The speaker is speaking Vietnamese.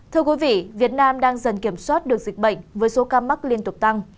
thưa quý vị việt nam đang dần kiểm soát được dịch bệnh với số ca mắc liên tục tăng